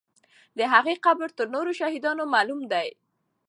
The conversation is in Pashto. د هغې قبر تر نورو شهیدانو معلوم دی.